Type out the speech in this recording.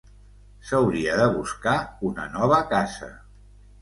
S’hauria de buscar una nova casa.